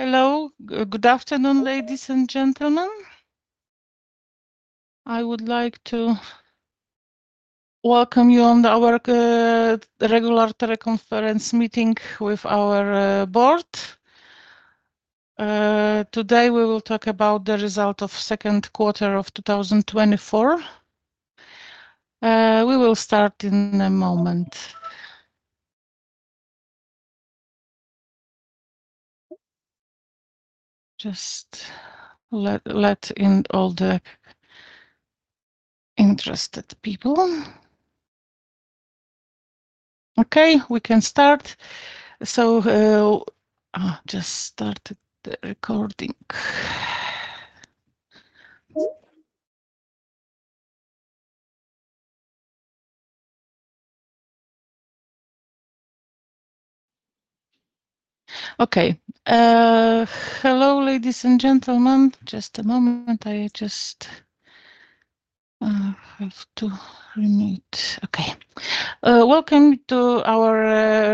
Hello. Good afternoon, ladies and gentlemen. I would like to welcome you on our regular teleconference meeting with our board. Today, we will talk about the result of second quarter of 2024. We will start in a moment. Just let in all the interested people. Okay, we can start. So, I just started the recording. Okay. Hello, ladies and gentlemen. Just a moment, I just have to unmute. Okay. Welcome to our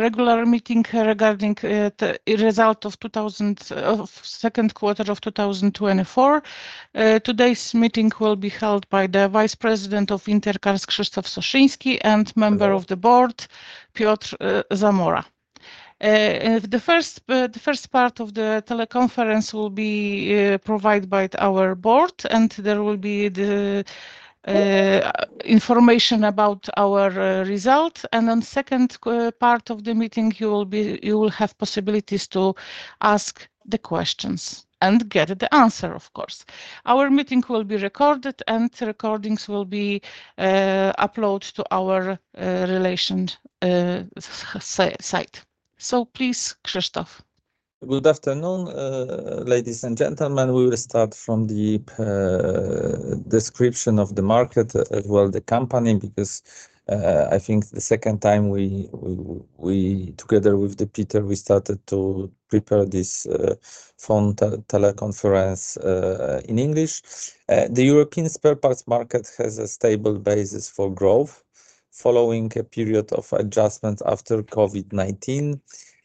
regular meeting regarding the result of two thousand second quarter of 2024. Today's meeting will be held by the Vice President of Inter Cars, Krzysztof Soszyński, and Member of the Board, Piotr Zamora. The first part of the teleconference will be provided by our board, and there will be the information about our result, and on second part of the meeting, you will have possibilities to ask the questions and get the answer, of course. Our meeting will be recorded, and the recordings will be uploaded to our relations site. So please, Krzysztof. Good afternoon, ladies and gentlemen. We will start from the description of the market, as well the company, because I think the second time we together with the Piotr we started to prepare this phone teleconference in English. The European spare parts market has a stable basis for growth. Following a period of adjustment after COVID-19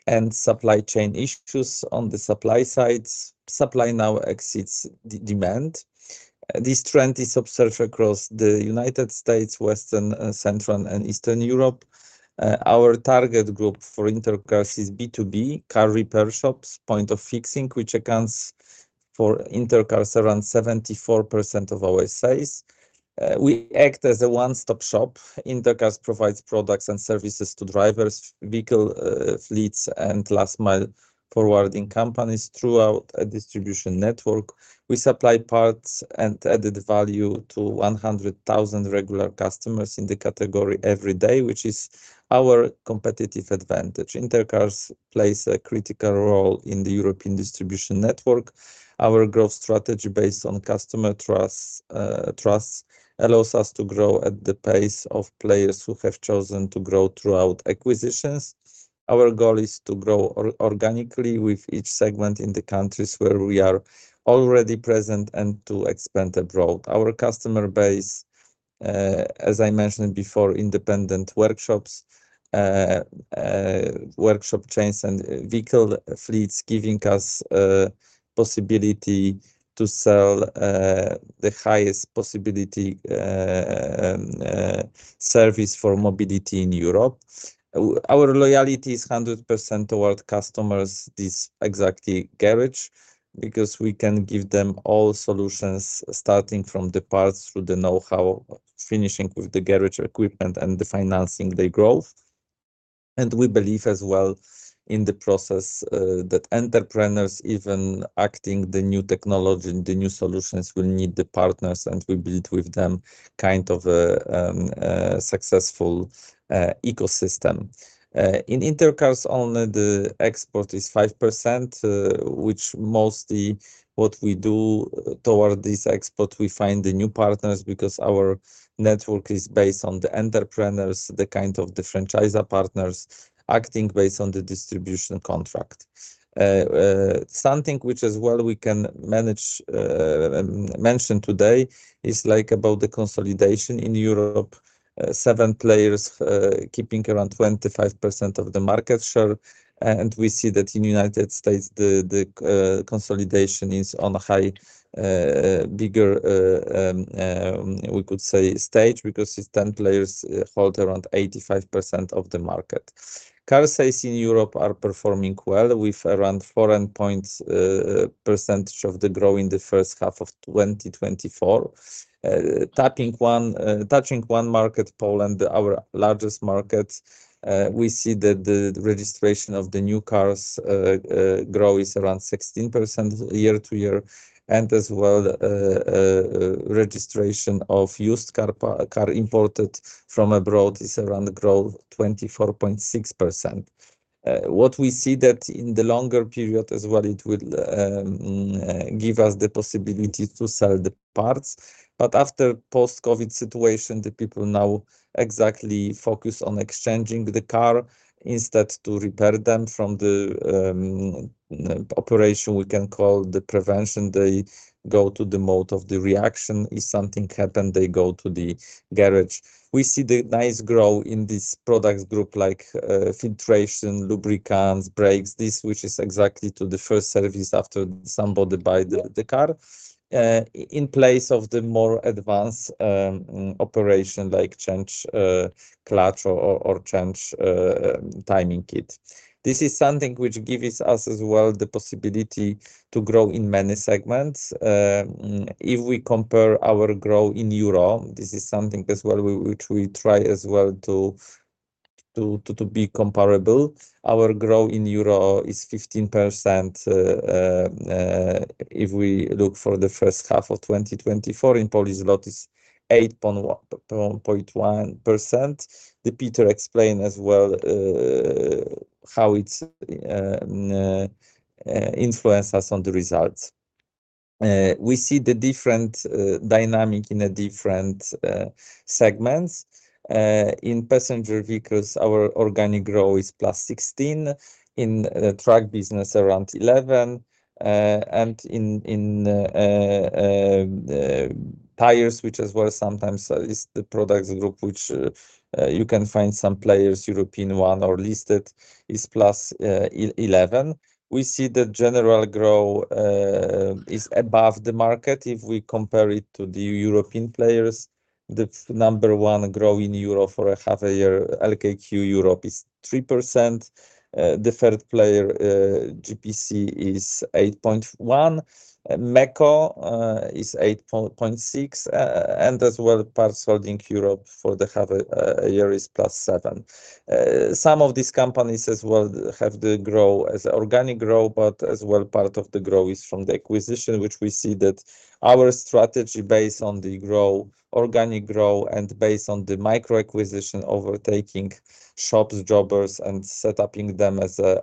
and supply chain issues on the supply side, supply now exceeds demand. This trend is observed across the United States, Western, and Central, and Eastern Europe. Our target group for Inter Cars is B2B, car repair shops, point of fixing, which accounts for Inter Cars around 74% of our sales. We act as a one-stop shop. Inter Cars provides products and services to drivers, vehicle fleets, and last mile forwarding companies throughout a distribution network. We supply parts and added value to one hundred thousand regular customers in the category every day, which is our competitive advantage. Inter Cars plays a critical role in the European distribution network. Our growth strategy, based on customer trust, allows us to grow at the pace of players who have chosen to grow throughout acquisitions. Our goal is to grow organically with each segment in the countries where we are already present and to expand abroad. Our customer base, as I mentioned before, independent workshops, workshop chains, and vehicle fleets, giving us possibility to sell the highest possibility service for mobility in Europe. Our loyalty is 100% toward customers, this exactly garage, because we can give them all solutions, starting from the parts through the know-how, finishing with the garage equipment and the financing their growth. We believe as well in the process that entrepreneurs, even acting the new technology and the new solutions, will need the partners, and we build with them kind of a successful ecosystem. In Inter Cars, only the export is 5%, which mostly what we do toward this export, we find the new partners because our network is based on the entrepreneurs, the kind of the franchisor partners acting based on the distribution contract. Something which as well we can manage mention today is, like, about the consolidation in Europe. Seven players keeping around 25% of the market share, and we see that in United States, the consolidation is on a high, bigger, we could say stage, because it's 10 players hold around 85% of the market. Car sales in Europe are performing well, with around 4 percentage points of growth in the first half of 2024. Take one market, Poland, our largest market. We see that the registration of new cars growth is around 16% year to year, and as well, registration of used cars imported from abroad is around growth 24.6%. What we see is that in the longer period as well, it will give us the possibility to sell the parts. After the post-COVID situation, the people now exactly focus on exchanging the car instead to repair them from the operation we can call the prevention. They go to the mode of the reaction. If something happen, they go to the garage. We see the nice growth in this product group, like, filtration, lubricants, brakes, this which is exactly to the first service after somebody buy the car, in place of the more advanced operation, like change clutch or change timing kit. This is something which gives us as well the possibility to grow in many segments. If we compare our growth in euro, this is something as well, we which we try as well to be comparable. Our growth in euro is 15%, if we look for the first half of 2024, in Polish zloty is 8.1%. The Piotr explained as well, how it's influence us on the results. We see the different dynamic in a different segments. In passenger vehicles, our organic growth is +16%, in the truck business, around 11%, and in tires, which as well sometimes is the product group, which you can find some players, European one or listed, is +11%. We see the general growth is above the market if we compare it to the European players. The number one growth in Europe for half a year, LKQ Europe is 3%. The third player, GPC, is 8.1%, MEKO is 8.6%, and as well, Parts Holding Europe for half a year is +7%. Some of these companies as well have the growth as organic growth, but as well, part of the growth is from the acquisition, which we see that our strategy based on the growth, organic growth, and based on the micro acquisition, overtaking shops, jobbers, and setting up them as a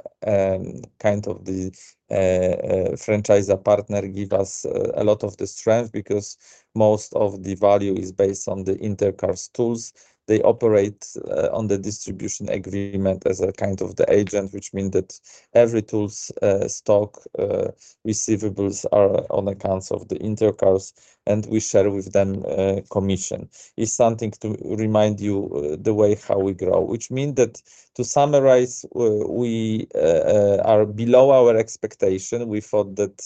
kind of the franchisor partner, give us a lot of the strength because most of the value is based on the Inter Cars tools. They operate on the distribution agreement as a kind of the agent, which mean that every tools stock receivables are on accounts of the Inter Cars, and we share with them commission. It's something to remind you the way how we grow, which mean that to summarize, we are below our expectation. We thought that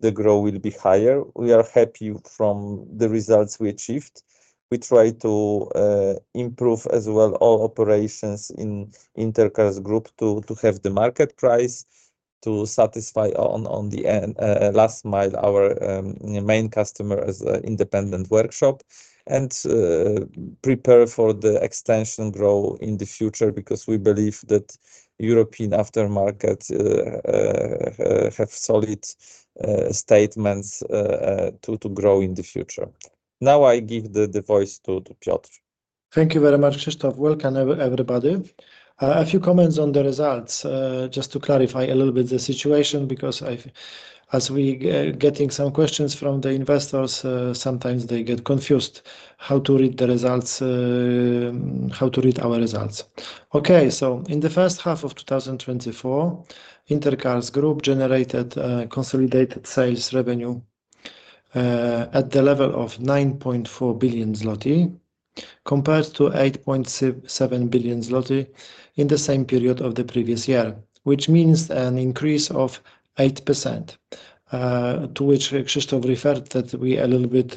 the growth will be higher. We are happy from the results we achieved. We try to improve as well all operations in Inter Cars Group to have the market price, to satisfy on the last mile, our main customer as a independent workshop, and prepare for the extension growth in the future because we believe that European aftermarket have solid statements to grow in the future. Now, I give the voice to Piotr. Thank you very much, Krzysztof. Welcome, everybody. A few comments on the results. Just to clarify a little bit the situation, because as we getting some questions from the investors, sometimes they get confused how to read the results, how to read our results. Okay, so in the first half of 2024, Inter Cars Group generated consolidated sales revenue at the level of 9.4 billion zloty, compared to 8.67 billion zloty in the same period of the previous year, which means an increase of 8%, to which Krzysztof referred that we a little bit,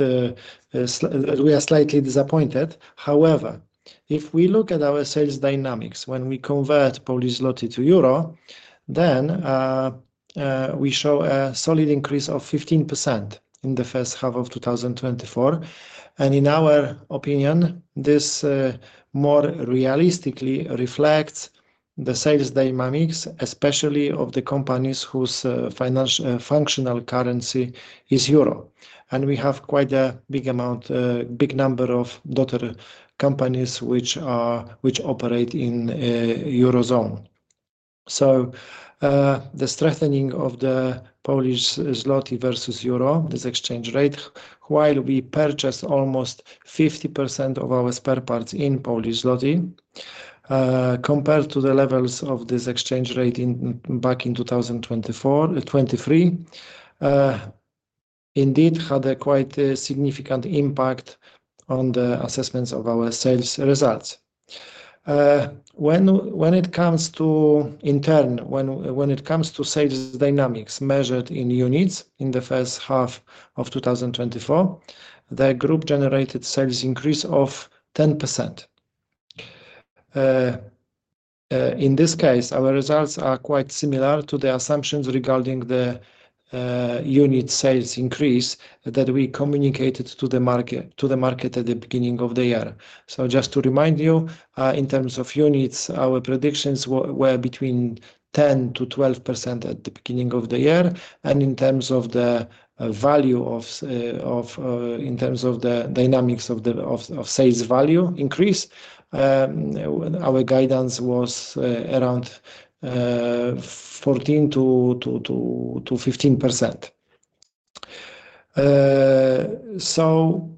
we are slightly disappointed. However, if we look at our sales dynamics, when we convert Polish zloty to euro, then we show a solid increase of 15% in the first half of 2024. In our opinion, this more realistically reflects the sales dynamics, especially of the companies whose financial functional currency is euro. We have quite a big amount, big number of daughter companies which are which operate in Eurozone. The strengthening of the Polish zloty versus euro, this exchange rate, while we purchase almost 50% of our spare parts in Polish zloty, compared to the levels of this exchange rate in back in 2024, 2023 indeed had quite a significant impact on the assessments of our sales results. When it comes to sales dynamics measured in units in the first half of 2024, the group generated sales increase of 10%. In this case, our results are quite similar to the assumptions regarding the unit sales increase that we communicated to the market at the beginning of the year. Just to remind you, in terms of units, our predictions were between 10%-12% at the beginning of the year, and in terms of the value, in terms of the dynamics of the sales value increase, our guidance was around 14%-15%. So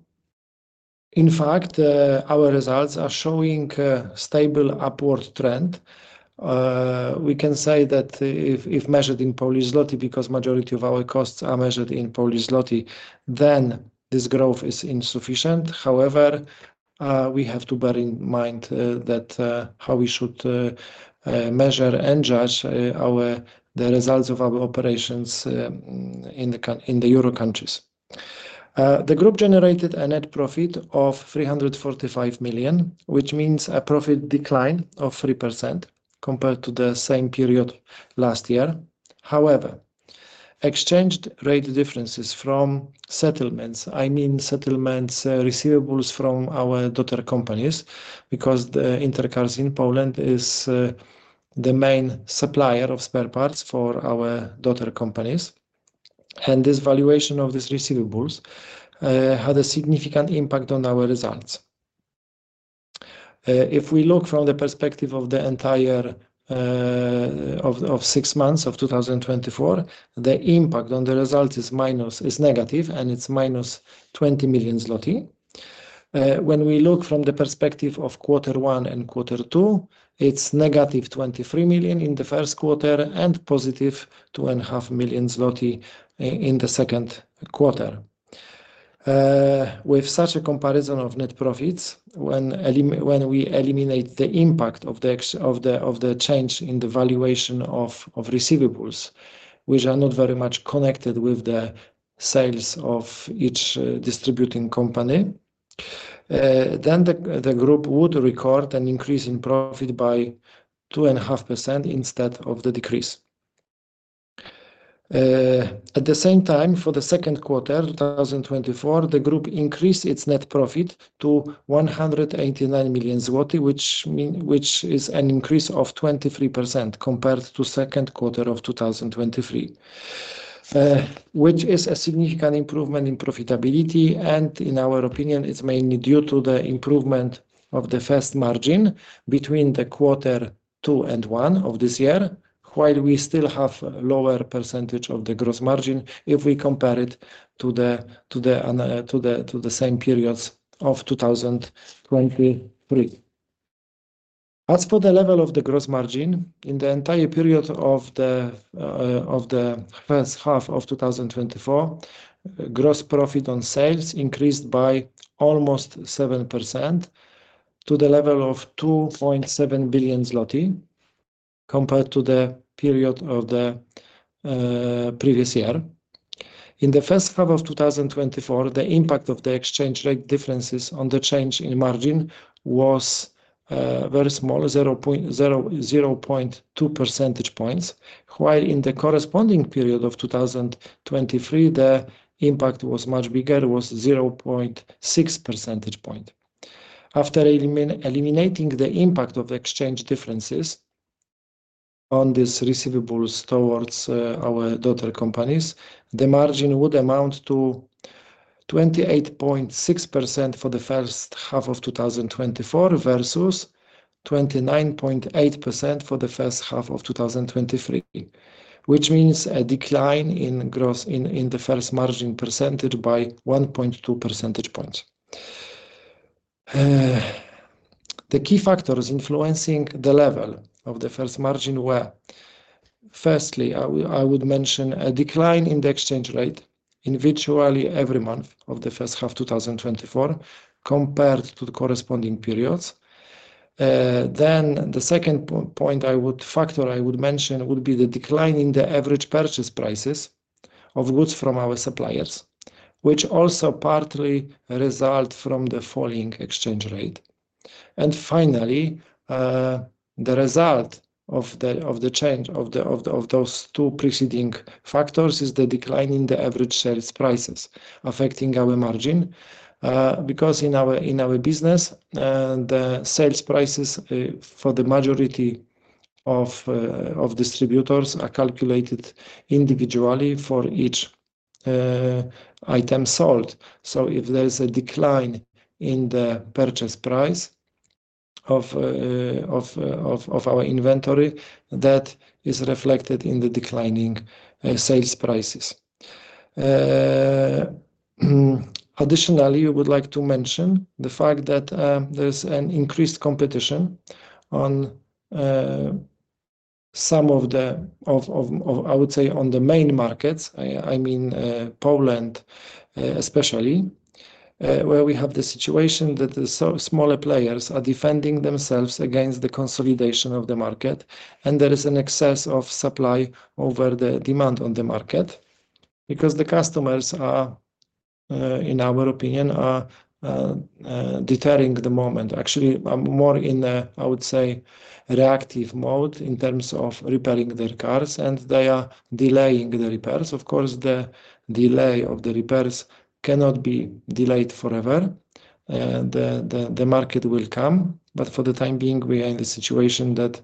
in fact, our results are showing a stable upward trend. We can say that if measured in Polish zloty, because majority of our costs are measured in Polish zloty, then this growth is insufficient. However, we have to bear in mind that how we should measure and judge the results of our operations in the euro countries. The group generated a net profit of 345 million, which means a profit decline of 3% compared to the same period last year. However, exchange rate differences from settlements, I mean settlements, receivables from our daughter companies, because the Inter Cars in Poland is the main supplier of spare parts for our daughter companies, and this valuation of these receivables had a significant impact on our results. If we look from the perspective of the entire six months of 2024, the impact on the result is negative, and it's minus 20 million zloty. When we look from the perspective of quarter one and quarter two, it's negative 23 million in the first quarter and positive 2.5 million zloty in the second quarter. With such a comparison of net profits, when we eliminate the impact of the change in the valuation of receivables, which are not very much connected with the sales of each distributing company, then the group would record an increase in profit by 2.5% instead of the decrease. At the same time, for the second quarter, 2024, the group increased its net profit to 189 million zloty, which is an increase of 23% compared to second quarter of 2023. which is a significant improvement in profitability, and in our opinion, it's mainly due to the improvement of the first margin between the quarter two and one of this year, while we still have lower percentage of the gross margin, if we compare it to the same periods of 2023. As for the level of the gross margin, in the entire period of the first half of 2024, gross profit on sales increased by almost 7% to the level of 2.7 billion zloty, compared to the period of the previous year. In the first half of 2024, the impact of the exchange rate differences on the change in margin was very small, 0.2 percentage points, while in the corresponding period of 2023, the impact was much bigger, 0.6 percentage point. After eliminating the impact of exchange differences on these receivables towards our daughter companies, the margin would amount to 28.6% for the first half of 2024 versus 29.8% for the first half of 2023, which means a decline in gross in the first margin percentage by 1.2 percentage point. The key factors influencing the level of the first margin were, firstly, I would mention a decline in the exchange rate in virtually every month of the first half of 2024, compared to the corresponding periods. Then the second point I would mention would be the decline in the average purchase prices of goods from our suppliers, which also partly result from the falling exchange rate. And finally, the result of the change of those two preceding factors is the decline in the average sales prices affecting our margin. Because in our business, the sales prices for the majority of distributors are calculated individually for each item sold. So if there's a decline in the purchase price of our inventory, that is reflected in the declining sales prices. Additionally, we would like to mention the fact that there's an increased competition on some of the, I would say, on the main markets. I mean Poland, especially, where we have the situation that the smaller players are defending themselves against the consolidation of the market, and there is an excess of supply over the demand on the market, because the customers are, in our opinion, deferring the moment. Actually, I'm more in a, I would say, reactive mode in terms of repairing their cars, and they are delaying the repairs. Of course, the delay of the repairs cannot be delayed forever. The market will come, but for the time being, we are in the situation that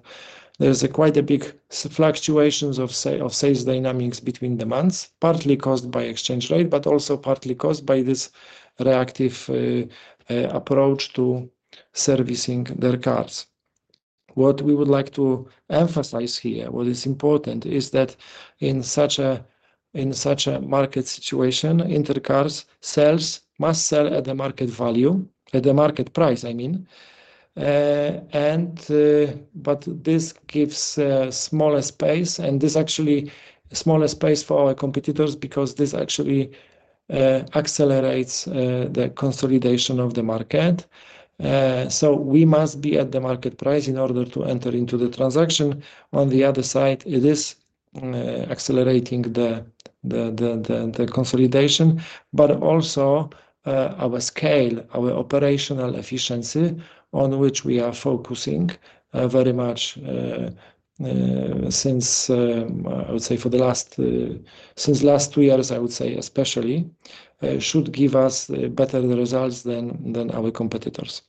there's quite a big fluctuations of sales dynamics between demands, partly caused by exchange rate, but also partly caused by this reactive approach to servicing their cars. What we would like to emphasize here, what is important, is that in such a market situation, Inter Cars sales must sell at the market value, at the market price, I mean. And but this gives smaller space, and this actually smaller space for our competitors because this actually accelerates the consolidation of the market. So we must be at the market price in order to enter into the transaction. On the other side, it is accelerating the consolidation, but also our scale, our operational efficiency on which we are focusing very much since, I would say, for the last two years, I would say especially should give us better results than our competitors.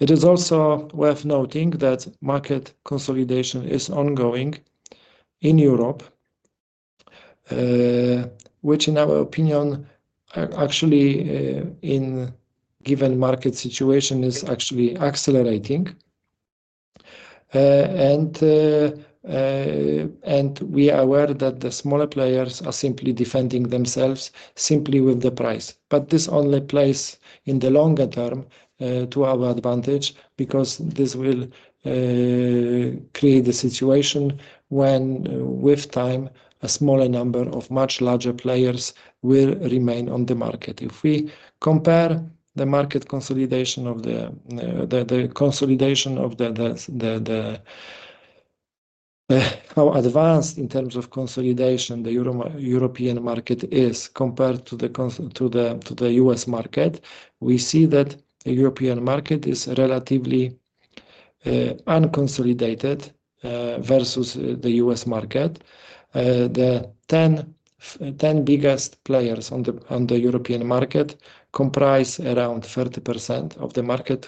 It is also worth noting that market consolidation is ongoing in Europe, which in our opinion, actually, in given market situation, is actually accelerating. And we are aware that the smaller players are simply defending themselves with the price. But this only plays in the longer term to our advantage, because this will create a situation when with time, a smaller number of much larger players will remain on the market. If we compare the market consolidation, how advanced in terms of consolidation the European market is compared to the U.S. market, we see that the European market is relatively unconsolidated versus the U.S. market. The 10 biggest players on the European market comprise around 30% of the market,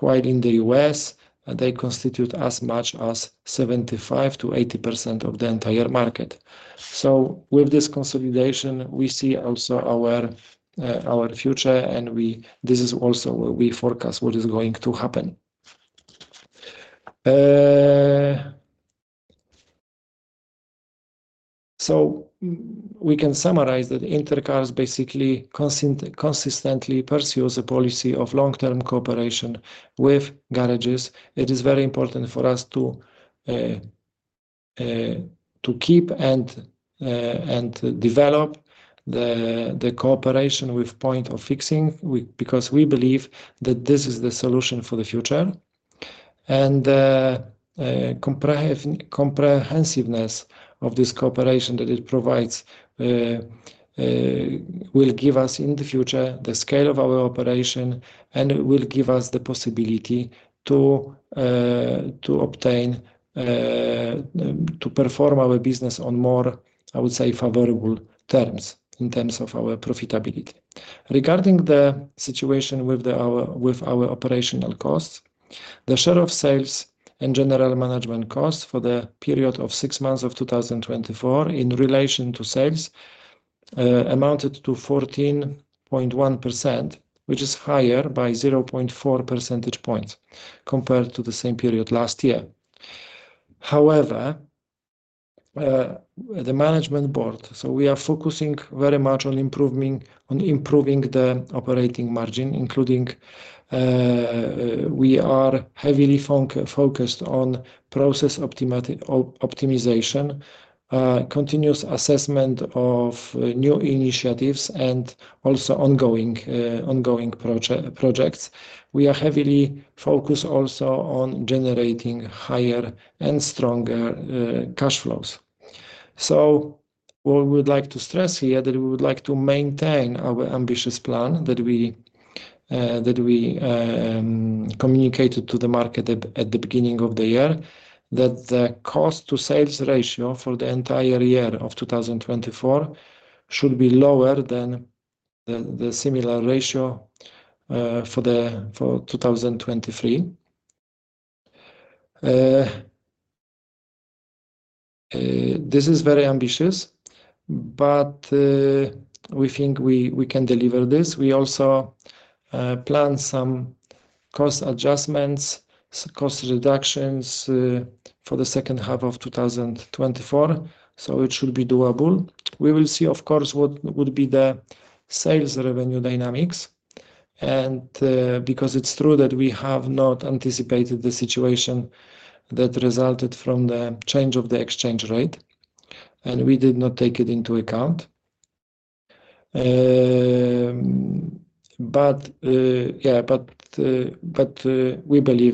while in the U.S., they constitute as much as 75%-80% of the entire market. So with this consolidation, we see also our future, and this is also we forecast what is going to happen. So we can summarize that Inter Cars basically consistently pursues a policy of long-term cooperation with garages. It is very important for us to keep and develop the cooperation with point of fixing because we believe that this is the solution for the future, and the comprehensiveness of this cooperation that it provides will give us, in the future, the scale of our operation and will give us the possibility to obtain to perform our business on more, I would say, favorable terms in terms of our profitability. Regarding the situation with our operational costs, the share of sales and general management costs for the period of six months of 2024 in relation to sales amounted to 14.1%, which is higher by 0.4 percentage points compared to the same period last year. However, the Management Board, so we are focusing very much on improving, on improving the operating margin, including, we are heavily focused on process optimization, continuous assessment of new initiatives, and also ongoing projects. We are heavily focused also on generating higher and stronger cash flows. So what we would like to stress here, that we would like to maintain our ambitious plan, that we communicated to the market at the beginning of the year, that the cost to sales ratio for the entire year of 2024 should be lower than the similar ratio for 2023. This is very ambitious, but we think we can deliver this. We also plan some cost adjustments, cost reductions, for the second half of 2024, so it should be doable. We will see, of course, what would be the sales revenue dynamics, and, because it's true that we have not anticipated the situation that resulted from the change of the exchange rate, and we did not take it into account. But we believe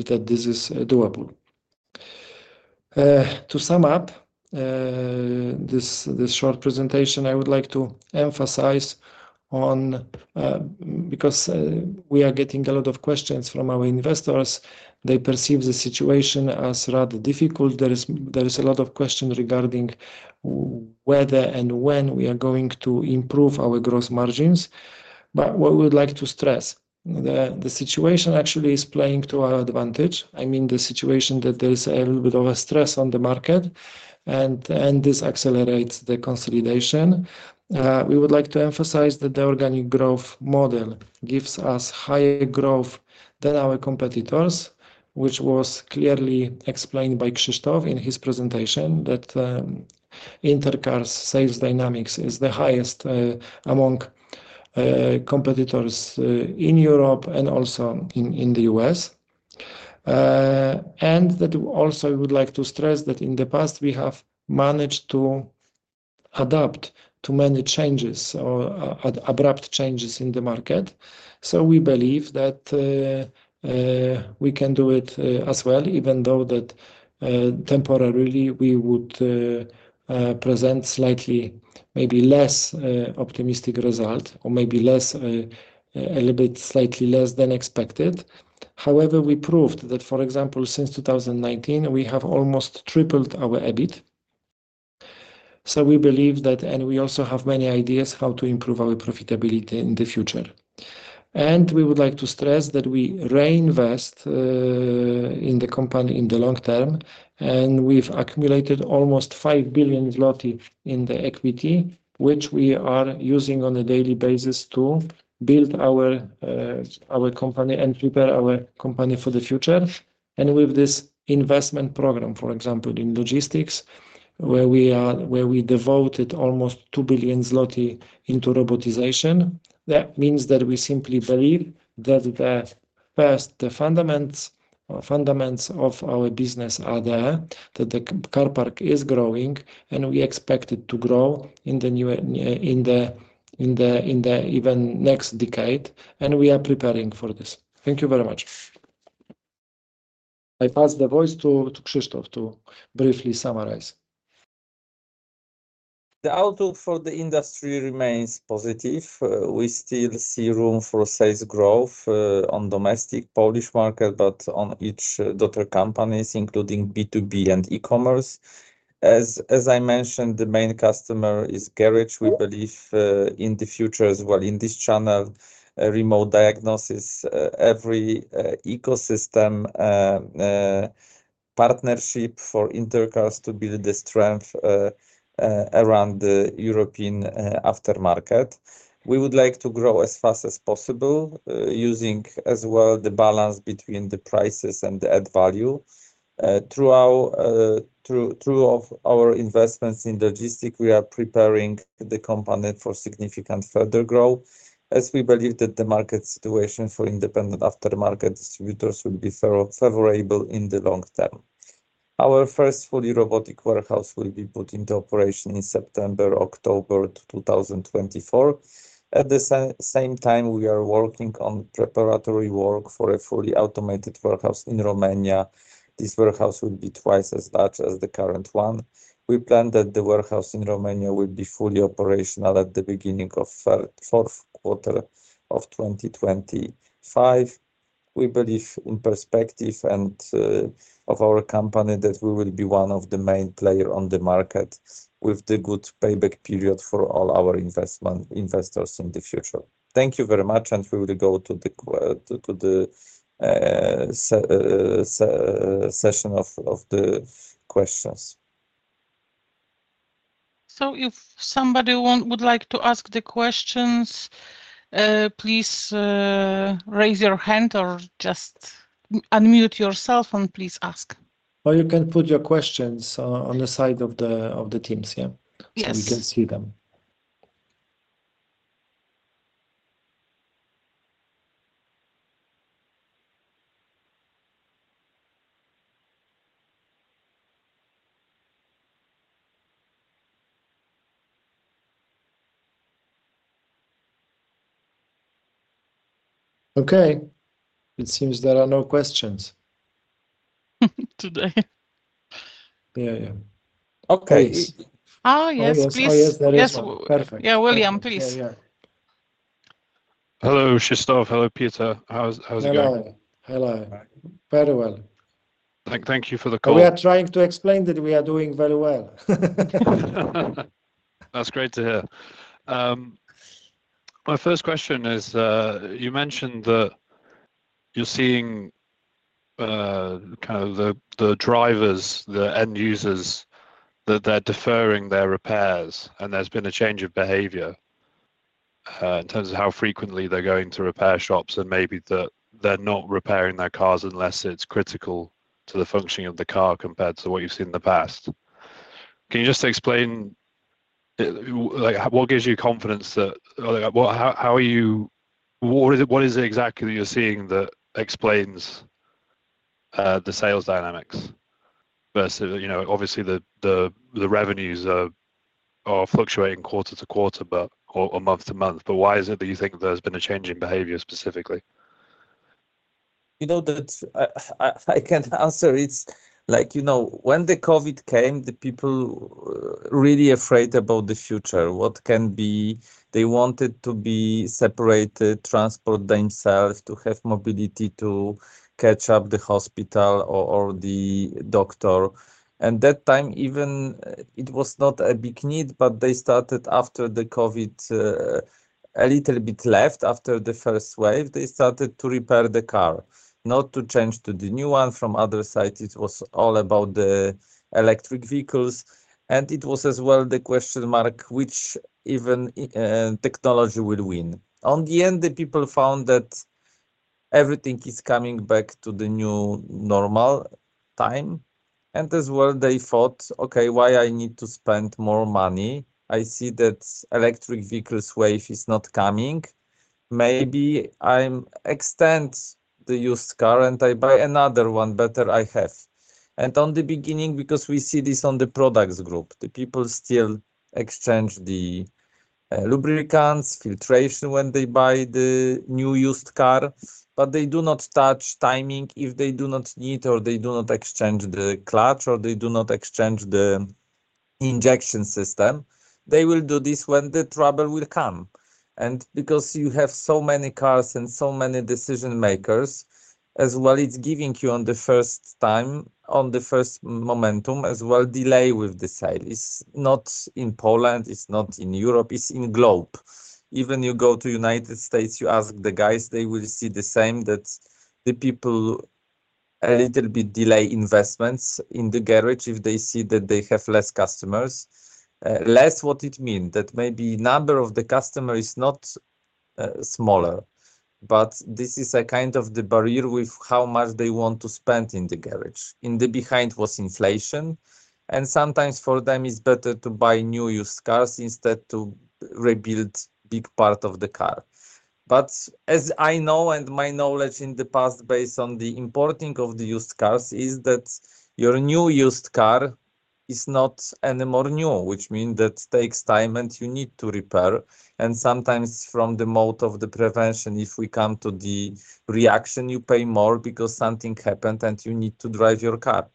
that this is doable. To sum up, this short presentation, I would like to emphasize on, because we are getting a lot of questions from our investors, they perceive the situation as rather difficult. There is a lot of question regarding whether and when we are going to improve our growth margins. But what we would like to stress, the situation actually is playing to our advantage. I mean, the situation that there is a little bit of a stress on the market, and this accelerates the consolidation. We would like to emphasize that the organic growth model gives us higher growth than our competitors, which was clearly explained by Krzysztof in his presentation, that Inter Cars' sales dynamics is the highest among competitors in Europe and also in the U.S., and that also we would like to stress that in the past, we have managed to adapt to many changes or abrupt changes in the market. So we believe that we can do it as well, even though that temporarily we would present slightly, maybe less optimistic result, or maybe less, a little bit slightly less than expected. However, we proved that, for example, since 2019, we have almost tripled our EBIT. So we believe that, and we also have many ideas how to improve our profitability in the future. And we would like to stress that we reinvest in the company in the long term, and we've accumulated almost 5 billion zloty in the equity, which we are using on a daily basis to build our company and prepare our company for the future. And with this investment program, for example, in logistics, where we devoted almost 2 billion zloty into robotization, that means that we simply believe that the first, the fundamentals of our business are there, that the car park is growing, and we expect it to grow in the new, in the even next decade, and we are preparing for this. Thank you very much. I pass the voice to Krzysztof to briefly summarize. The outlook for the industry remains positive. We still see room for sales growth on domestic Polish market, but on each daughter companies, including B2B and e-commerce. As I mentioned, the main customer is garage. We believe in the future as well, in this channel, remote diagnosis, every ecosystem, partnership for Inter Cars to build the strength around the European aftermarket. We would like to grow as fast as possible, using as well the balance between the prices and the add value. Through our investments in logistics, we are preparing the company for significant further growth, as we believe that the market situation for independent aftermarket distributors will be favorable in the long term. Our first fully robotic warehouse will be put into operation in September, October 2024. At the same time, we are working on preparatory work for a fully automated warehouse in Romania. This warehouse will be twice as large as the current one. We plan that the warehouse in Romania will be fully operational at the beginning of third, fourth quarter of 2025. We believe in perspective and of our company, that we will be one of the main player on the market, with the good payback period for all our investment, investors in the future. Thank you very much, and we will go to the session of the questions. If somebody want, would like to ask the questions, please raise your hand or just unmute yourself and please ask. Or you can put your questions on the side of the Teams, yeah. Yes. We can see them. Okay. It seems there are no questions. Today. Yeah, yeah. Okay. Oh, yes, please. Oh, yes, there is one. Yes. Perfect. Yeah, William, please. Yeah, yeah. Hello, Krzysztof. Hello, Piotr. How's it going? Hello, hello. Very well. Thank you for the call. We are trying to explain that we are doing very well. That's great to hear. My first question is, you mentioned that you're seeing kind of the drivers, the end users, that they're deferring their repairs, and there's been a change of behavior in terms of how frequently they're going to repair shops, and maybe that they're not repairing their cars unless it's critical to the functioning of the car, compared to what you've seen in the past. Can you just explain like what gives you confidence that... Like, what is it exactly that you're seeing that explains the sales dynamics versus, you know, obviously the revenues are fluctuating quarter to quarter, but or month to month, but why is it that you think there's been a change in behavior specifically?... You know, that I can answer. It's like, you know, when the COVID came, the people really afraid about the future, what can be. They wanted to be separated, transport themselves, to have mobility to catch up the hospital or the doctor. And that time, even it was not a big need, but they started after the COVID, a little bit left. After the first wave, they started to repair the car, not to change to the new one. From other side, it was all about the electric vehicles, and it was as well the question mark, which even technology will win? On the end, the people found that everything is coming back to the new normal time, and as well, they thought, "Okay, why I need to spend more money? I see that electric vehicles wave is not coming. Maybe I extend the used car and I buy another one better I have." And, at the beginning, because we see this on the products group, the people still exchange the lubricants, filtration when they buy the new used car, but they do not touch timing if they do not need, or they do not exchange the clutch, or they do not exchange the injection system. They will do this when the trouble will come. And because you have so many cars and so many decision makers, as well, it's giving you on the first time, on the first momentum as well, delay with the sale. It's not in Poland, it's not in Europe, it's in globe. Even you go to United States, you ask the guys, they will see the same, that the people a little bit delay investments in the garage if they see that they have less customers. Less, what it mean? That maybe number of the customer is not smaller, but this is a kind of the barrier with how much they want to spend in the garage. In the behind was inflation, and sometimes for them, it's better to buy new used cars instead to rebuild big part of the car. But as I know, and my knowledge in the past, based on the importing of the used cars, is that your new used car is not any more new, which mean that takes time and you need to repair. And sometimes from the mode of the prevention, if we come to the reaction, you pay more because something happened, and you need to drive your car.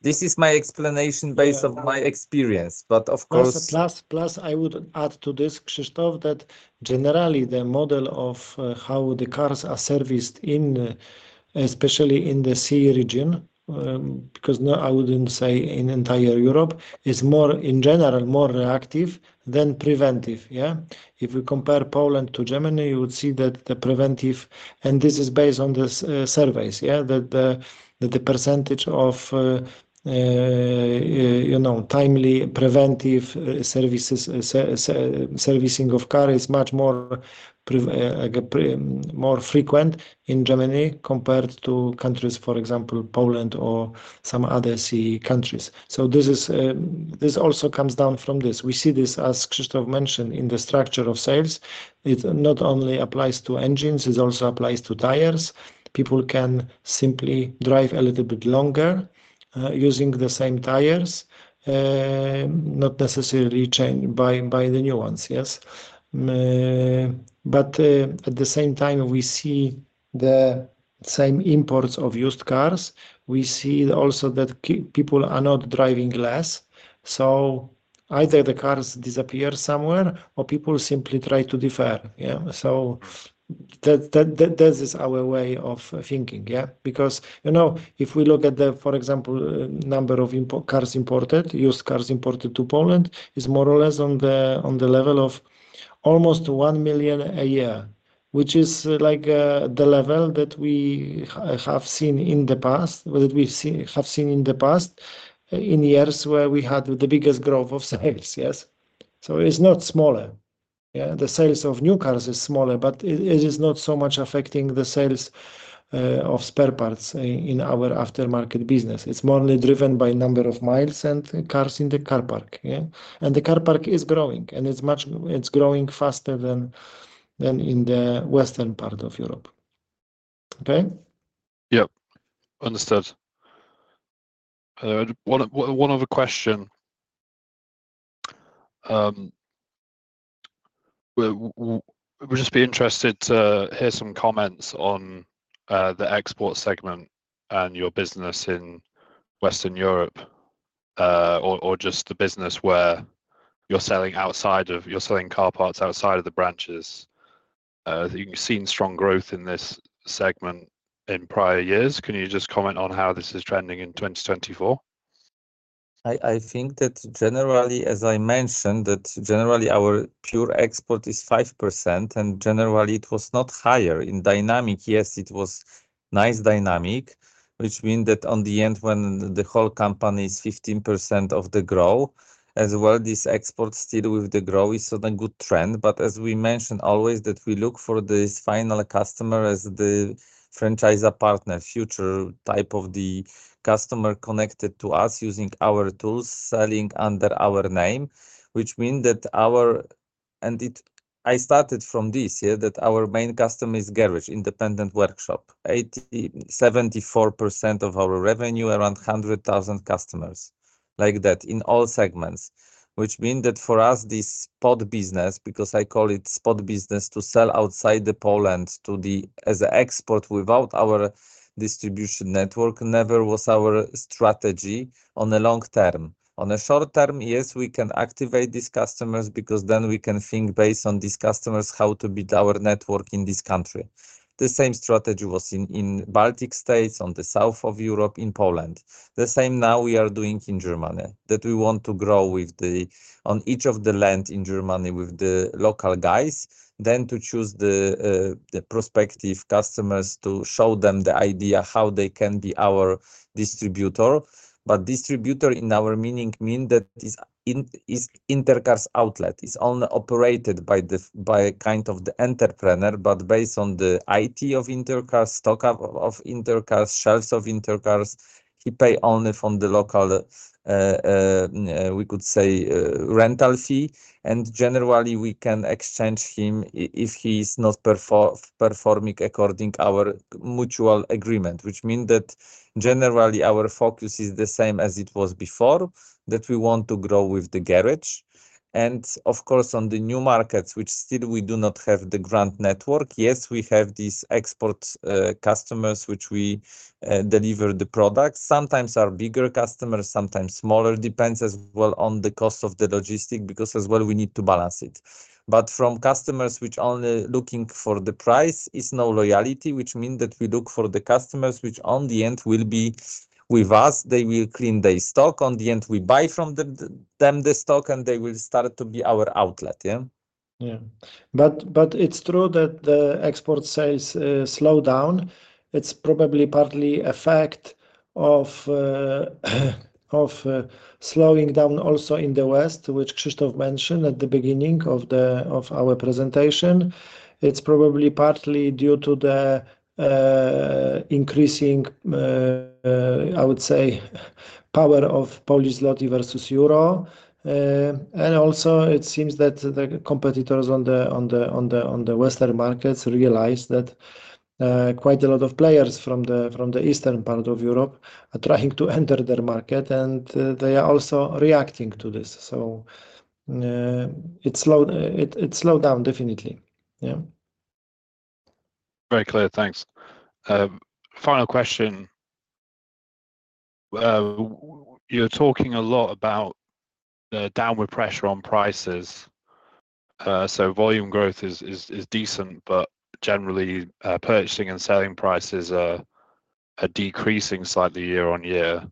This is my explanation based on my experience, but of course- Plus, I would add to this, Krzysztof, that generally, the model of how the cars are serviced in, especially in the CE region, because now I wouldn't say in entire Europe, is more, in general, more reactive than preventive. Yeah. If you compare Poland to Germany, you would see that the preventive. And this is based on the surveys, yeah? That the percentage of you know, timely preventive services, servicing of car is much more, like, more frequent in Germany compared to countries, for example, Poland or some other CE countries. So this is, this also comes down from this. We see this, as Krzysztof mentioned, in the structure of sales. It not only applies to engines, it also applies to tires. People can simply drive a little bit longer using the same tires, not necessarily change, buy the new ones. Yes. But at the same time, we see the same imports of used cars. We see also that people are not driving less, so either the cars disappear somewhere or people simply try to defer. Yeah, so that is our way of thinking. Yeah. Because, you know, if we look at the, for example, number of imported cars, used cars imported to Poland, is more or less on the level of almost one million a year, which is like the level that we have seen in the past, in years where we had the biggest growth of sales. Yes. So it's not smaller. Yeah, the sales of new cars is smaller, but it is not so much affecting the sales of spare parts in our aftermarket business. It's more only driven by number of miles and cars in the car park. Yeah. And the car park is growing, and it's much... It's growing faster than in the western part of Europe. Okay? Yep, understood. One other question. Well, would just be interested to hear some comments on the export segment and your business in Western Europe, or, or just the business where you're selling outside of, you're selling car parts outside of the branches. You've seen strong growth in this segment in prior years. Can you just comment on how this is trending in 2024? I think that generally, as I mentioned, our pure export is 5%, and generally, it was not higher. In dynamic, yes, it was nice dynamic, which mean that in the end, when the whole company is 15% growth, as well, this export still with the growth is on a good trend. But as we mentioned, always that we look for this final customer as the franchisor partner, future type of the customer connected to us using our tools, selling under our name, which mean that our... And it, I started from this, yeah, that our main customer is garage, independent workshop. 74% of our revenue, around 100,000 customers... Like that in all segments, which mean that for us, this spot business, because I call it spot business, to sell outside the Poland to the as export without our distribution network, never was our strategy on the long term. On the short term, yes, we can activate these customers, because then we can think based on these customers, how to build our network in this country. The same strategy was in Baltic States, on the south of Europe, in Poland. The same now we are doing in Germany, that we want to grow with on each of the land in Germany, with the local guys. Then to choose the prospective customers, to show them the idea how they can be our distributor. But distributor in our meaning means that it is Inter Cars outlet, is only operated by the, by kind of the entrepreneur, but based on the IT of Inter Cars, stock of Inter Cars, shelves of Inter Cars. He pays only for the local, we could say, rental fee, and generally, we can exchange him if he's not performing according to our mutual agreement. Which means that generally, our focus is the same as it was before, that we want to grow with the garage. And of course, on the new markets, which still we do not have the grant network, yes, we have these export customers, which we deliver the products. Sometimes are bigger customers, sometimes smaller. Depends as well on the cost of the logistics, because as well, we need to balance it. But from customers which only looking for the price, is no loyalty, which mean that we look for the customers, which on the end will be with us. They will clean their stock. On the end, we buy from them, them the stock, and they will start to be our outlet. Yeah. Yeah. But it's true that the export sales slow down. It's probably partly effect of slowing down also in the West, which Krzysztof mentioned at the beginning of our presentation. It's probably partly due to the increasing power of Polish zloty versus euro, and also it seems that the competitors on the Western markets realize that quite a lot of players from the eastern part of Europe are trying to enter their market, and they are also reacting to this. So it slow down definitely. Yeah. Very clear. Thanks. Final question. You're talking a lot about the downward pressure on prices. So volume growth is decent, but generally, purchasing and selling prices are decreasing slightly year on year.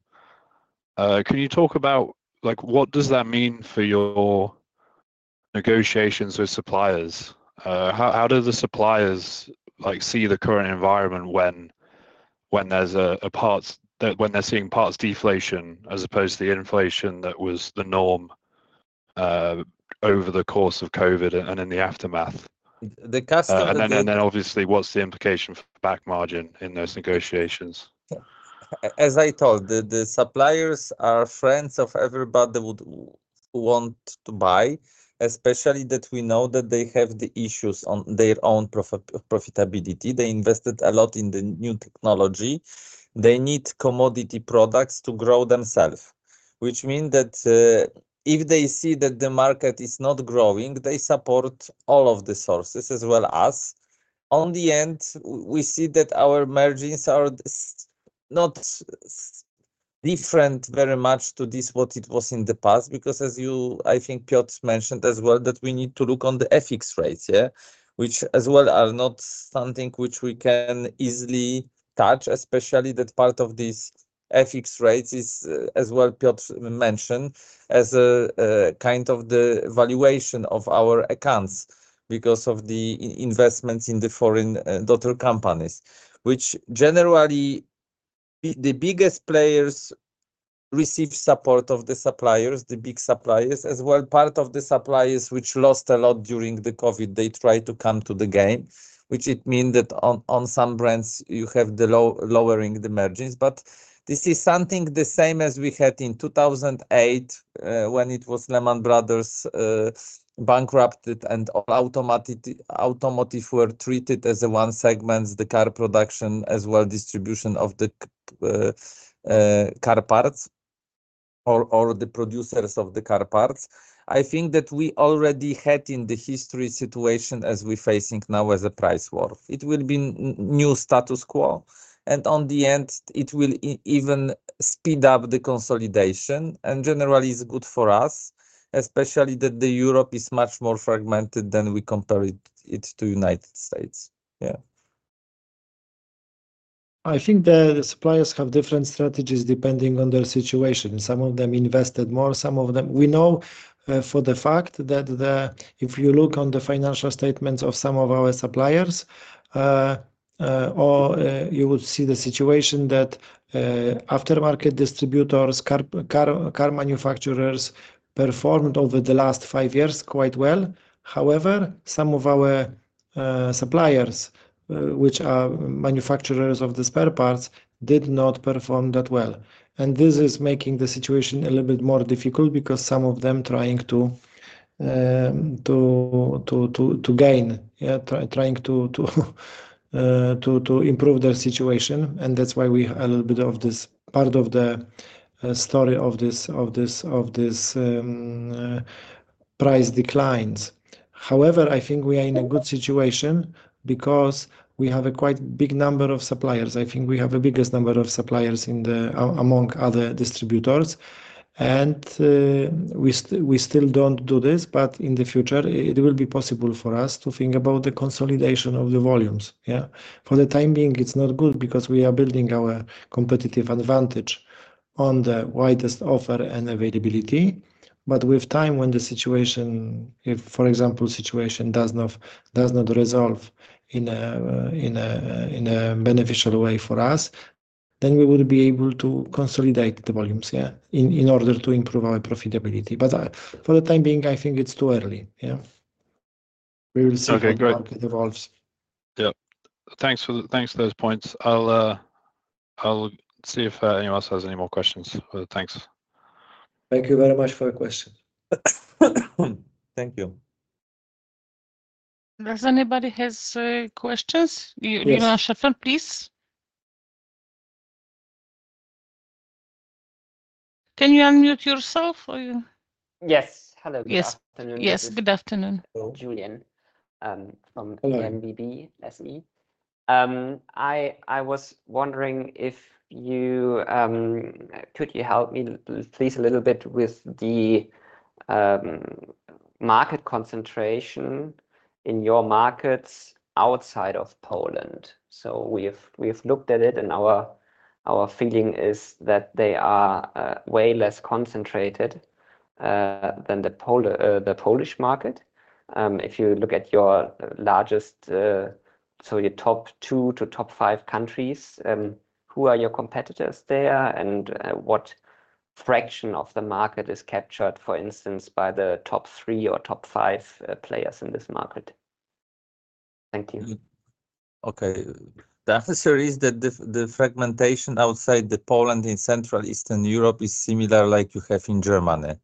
Can you talk about, like, what does that mean for your negotiations with suppliers? How do the suppliers, like, see the current environment when there's parts deflation as opposed to the inflation that was the norm, over the course of COVID and in the aftermath? The customer- Obviously, what's the implication for the gross margin in those negotiations? As I told, the suppliers are friends of everybody would want to buy. Especially that we know that they have the issues on their own profitability. They invested a lot in the new technology. They need commodity products to grow themselves, which mean that if they see that the market is not growing, they support all of the sources as well as. On the end, we see that our margins are not different very much to this, what it was in the past. Because as you, I think, Piotr mentioned as well, that we need to look on the FX rates, yeah? Which as well, are not something which we can easily touch, especially that part of this FX rates is, as well, Piotr mentioned, as a kind of the valuation of our accounts because of the investments in the foreign daughter companies. Which generally, the biggest players receive support of the suppliers, the big suppliers, as well, part of the suppliers which lost a lot during the COVID, they try to come to the game. Which it mean that on some brands you have the lowering the margins, but this is something the same as we had in 2008, when it was Lehman Brothers bankrupted and all automotive were treated as one segment, the car production, as well, distribution of the car parts or the producers of the car parts. I think that we already had in history a situation as we are facing now as a price war. It will be a new status quo, and in the end, it will even speed up the consolidation, and generally, it's good for us, especially that Europe is much more fragmented than we compare it to United States. Yeah. I think the suppliers have different strategies depending on their situation. Some of them invested more, some of them. We know for the fact that the. If you look on the financial statements of some of our suppliers, or, you would see the situation that aftermarket distributors, car manufacturers performed over the last five years quite well. However, some of our suppliers, which are manufacturers of the spare parts, did not perform that well. And this is making the situation a little bit more difficult because some of them trying to gain. Trying to improve their situation. And that's why we a little bit of this part of the story of this.... price declines. However, I think we are in a good situation because we have a quite big number of suppliers. I think we have the biggest number of suppliers in the among other distributors, and we still don't do this, but in the future, it will be possible for us to think about the consolidation of the volumes. Yeah. For the time being, it's not good because we are building our competitive advantage on the widest offer and availability, but with time, when the situation... If, for example, situation does not resolve in a beneficial way for us, then we will be able to consolidate the volumes, yeah, in order to improve our profitability. But, for the time being, I think it's too early. Yeah. We will see- Okay, great. how it evolves. Yeah. Thanks for those points. I'll see if anyone else has any more questions. Thanks. Thank you very much for your question. Thank you. Does anybody has questions? Yes. Julian Scheffer, please. Can you unmute yourself or you- Yes. Hello. Yes. Good afternoon. Yes, good afternoon. Julian, Yeah... MBB, that's me. I was wondering if you could help me please a little bit with the market concentration in your markets outside of Poland? So we've looked at it, and our feeling is that they are way less concentrated than the Polish market. If you look at your largest, so your top two to top five countries, who are your competitors there, and what fraction of the market is captured, for instance, by the top three or top five players in this market? Thank you. Okay. The answer is that the fragmentation outside the Poland in central Eastern Europe is similar, like you have in Germany.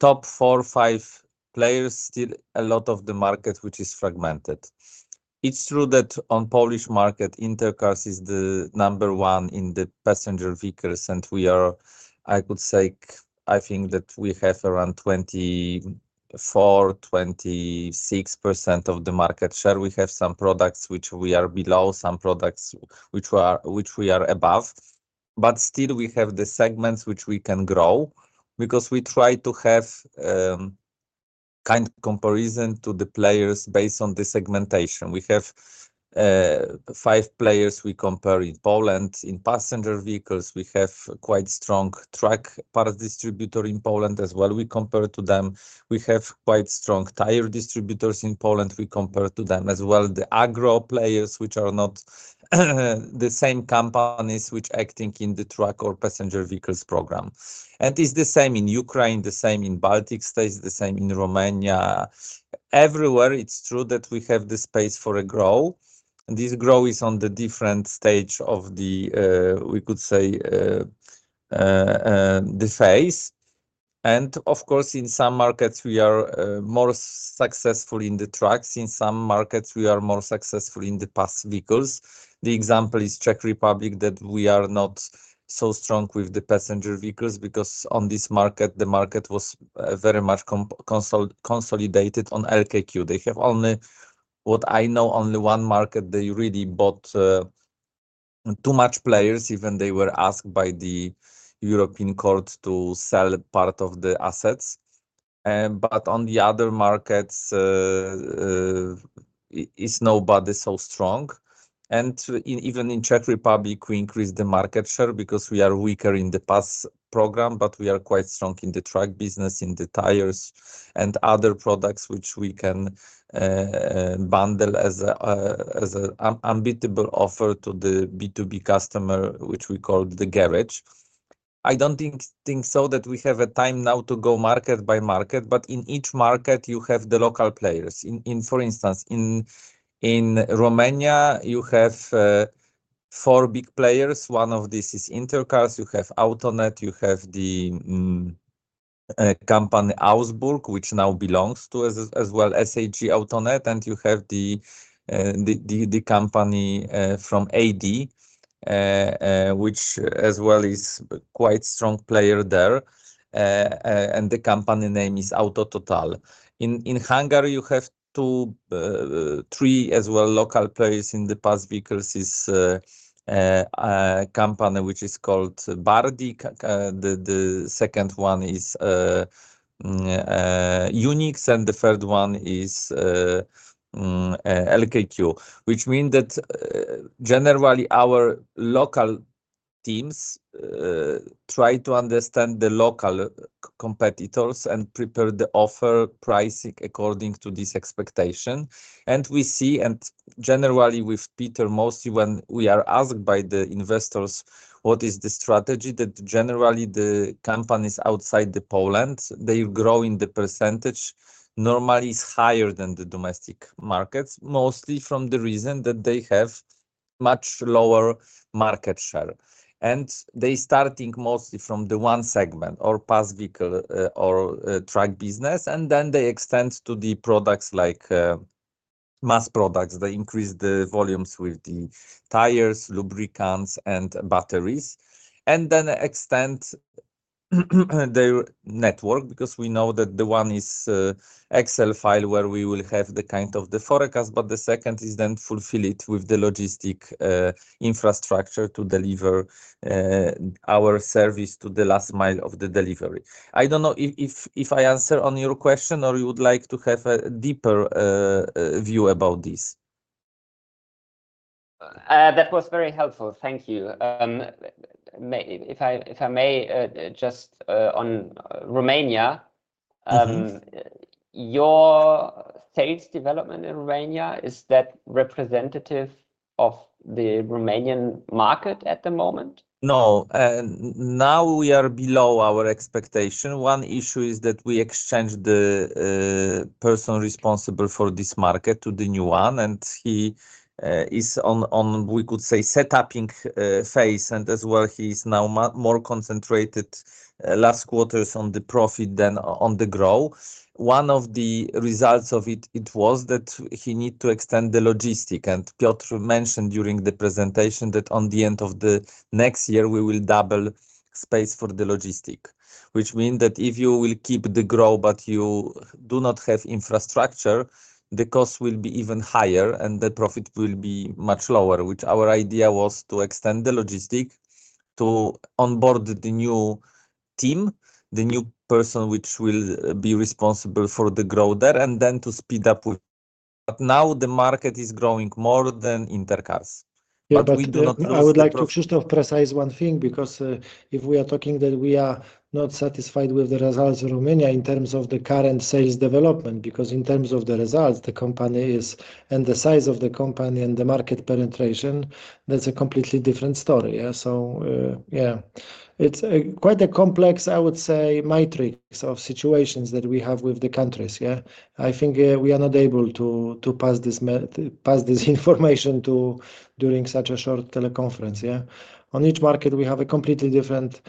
Top four, five players steal a lot of the market, which is fragmented. It's true that on Polish market, Inter Cars is the number one in the passenger vehicles, and we are, I could say, I think that we have around 24%-26% of the market share. We have some products which we are below, some products which we are, which we are above, but still, we have the segments which we can grow because we try to have kind comparison to the players based on the segmentation. We have five players we compare in Poland. In passenger vehicles, we have quite strong truck part distributor in Poland as well. We compare to them. We have quite strong tire distributors in Poland. We compare to them as well. The Agro players, which are not the same companies which acting in the truck or passenger vehicles program, and it's the same in Ukraine, the same in Baltic States, the same in Romania. Everywhere, it's true that we have the space for a growth, and this growth is on the different stage of the, we could say, the phase, and of course, in some markets, we are more successful in the trucks. In some markets, we are more successful in the bus vehicles. The example is Czech Republic, that we are not so strong with the passenger vehicles because on this market, the market was very much consolidated on LKQ. They have only, what I know, only one market. They really bought too much players, even they were asked by the European court to sell part of the assets, but on the other markets, is nobody so strong, and even in Czech Republic, we increase the market share because we are weaker in the bus program, but we are quite strong in the truck business, in the tires, and other products, which we can bundle as a unbeatable offer to the B2B customer, which we call the garage. I don't think so that we have a time now to go market by market, but in each market, you have the local players. In, for instance, in Romania, you have four big players. One of this is Inter Cars, you have Autonet, you have the company Augsburg, which now belongs to SAG-Autonet as well, and you have the company from AD, which as well is quite strong player there. And the company name is Auto Total. In Hungary, you have two, three as well, local players in the bus vehicles is a company which is called Bárdi. The second one is UNIX, and the third one is LKQ. Which mean that generally, our local teams try to understand the local competitors and prepare the offer pricing according to this expectation. And we see, and generally, with Piotr, mostly when we are asked by the investors, what is the strategy? That generally, the companies outside Poland, they grow in the percentage normally is higher than the domestic markets, mostly from the reason that they have much lower market share. They starting mostly from the one segment, or bus vehicle, or truck business, and then they extend to the products like mass products. They increase the volumes with the tires, lubricants, and batteries, and then extend their network, because we know that the one is Excel file, where we will have the kind of the forecast, but the second is then fulfill it with the logistics infrastructure to deliver our service to the last mile of the delivery. I don't know if I answer on your question or you would like to have a deeper view about this. That was very helpful. Thank you. If I may, just on Romania- Mm-hmm. Your sales development in Romania, is that representative of the Romanian market at the moment? No. Now we are below our expectation. One issue is that we exchanged the person responsible for this market to the new one, and he is on, we could say, setting up phase, and as well, he's now more concentrated last quarters on the profit than on the growth. One of the results of it, it was that he need to extend the logistics, and Piotr mentioned during the presentation that on the end of the next year, we will double space for the logistics. Which mean that if you will keep the growth but you do not have infrastructure, the cost will be even higher, and the profit will be much lower, which our idea was to extend the logistics to onboard the new team, the new person, which will be responsible for the growth there, and then to speed up with... But now the market is growing more than Inter Cars. But we do not lose the prof- Yeah, but I would like to just precise one thing, because if we are talking that we are not satisfied with the results in Romania in terms of the current sales development, because in terms of the results, the company is... And the size of the company and the market penetration, that's a completely different story. Yeah. So, yeah, it's quite a complex, I would say, matrix of situations that we have with the countries. Yeah. I think we are not able to pass this information to, during such a short teleconference, yeah. On each market, we have a completely different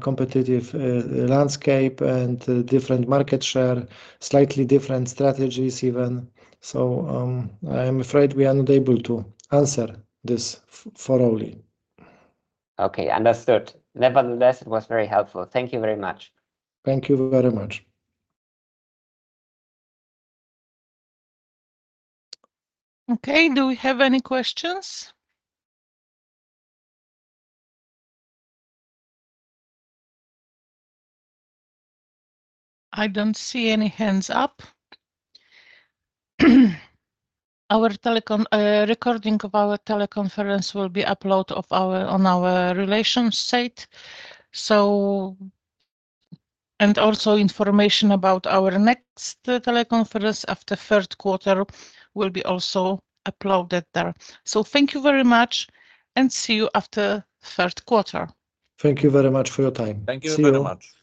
competitive landscape and different market share, slightly different strategies, even. So, I'm afraid we are not able to answer this thoroughly. Okay, understood. Nevertheless, it was very helpful. Thank you very much. Thank you very much. Okay. Do we have any questions? I don't see any hands up. Our telecom recording of our teleconference will be uploaded on our relations site, so. And also information about our next teleconference after third quarter will be also uploaded there. So thank you very much, and see you after third quarter. Thank you very much for your time. Thank you very much. See you.